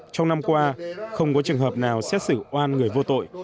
trong năm qua không có trường hợp nào xét xử oan người vô tội